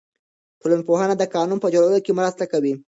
ټولنپوهنه د قانون په جوړولو کې مرسته کوي.